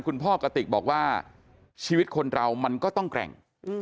กระติกบอกว่าชีวิตคนเรามันก็ต้องแกร่ง